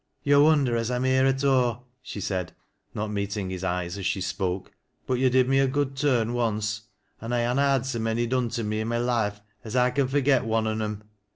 " Yo' wonder as I'm here at aw," she said, not meeting his eyes as she spoke, " but yo' did me a good turn onct, an' I ha' na had so many done me 1' my loife as I can forget one on 'em.